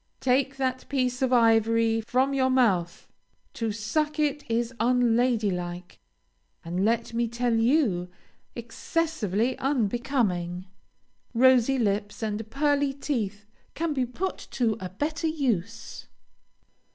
Take that piece of ivory from your mouth! To suck it is unlady like, and let me tell you, excessively unbecoming. Rosy lips and pearly teeth can be put to a better use.